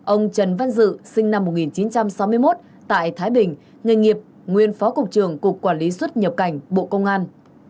ông trần văn dự sinh năm một nghìn chín trăm sáu mươi một tại thái bình nghề nghiệp nguyên phó cục trưởng cục quản lý xuất nhập cảnh bộ công an